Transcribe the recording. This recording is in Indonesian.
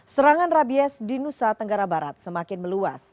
serangan rabies di nusa tenggara barat semakin meluas